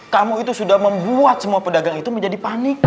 kamu itu sudah membuat semua pedagang itu menjadi panik